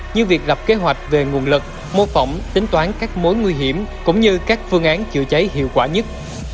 như việc lập kế hoạch về nguồn lực mô phỏng tính toán các mối nguy hiểm cũng như các phương án chữa cháy hiệu quả nhất